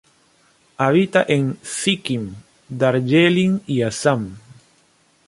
Habita en Sikkim, Darjeeling y Assam.